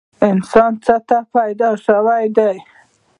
انسان څه ته پیدا شوی دی؟